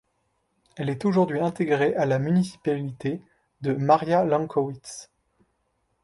Elle est aujourd'hui intégrée à la municipalité de Maria Lankowitz.